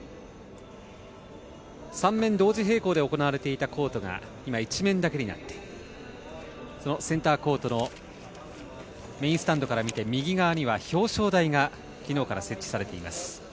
３面同時並行で行われていたコートが今、１面だけになってそのセンターコートのメインスタンドから見て右側には表彰台が昨日から設置されています。